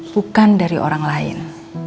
bukan dari orang lain